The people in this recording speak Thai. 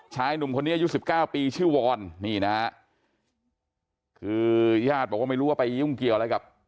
ชายหนุ่มคนนี้อายุสิบเก้าปีชื่อวอนนี่นะฮะคือญาติบอกว่าไม่รู้ว่าไปยุ่งเกี่ยวอะไรกับ